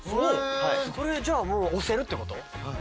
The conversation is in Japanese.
それじゃあもう押せるってこと？